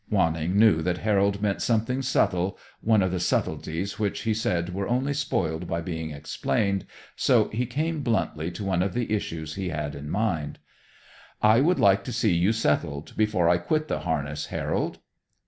Wanning knew that Harold meant something subtle, one of the subtleties which he said were only spoiled by being explained so he came bluntly to one of the issues he had in mind. "I would like to see you settled before I quit the harness, Harold."